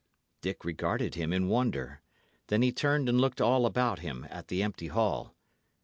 Dick regarded him in wonder; then he turned and looked all about him at the empty hall.